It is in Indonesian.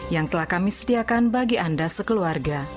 yang telah kami sediakan bagi anda sekeluarga